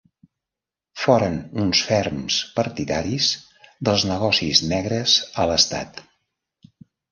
Foren uns ferms partidaris dels negocis negres a l'estat.